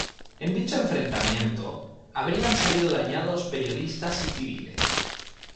En dicho enfrentamiento habrían salido dañados periodistas y civiles.